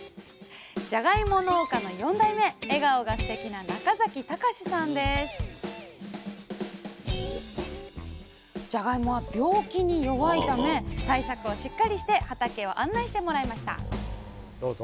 じゃがいも農家の４代目笑顔がすてきなじゃがいもは病気に弱いため対策をしっかりして畑を案内してもらいましたどうぞ。